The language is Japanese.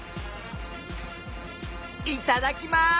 いただきます！